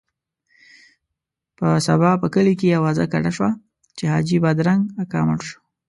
په سبا په کلي کې اوازه ګډه شوه چې حاجي بادرنګ اکا مړ شو.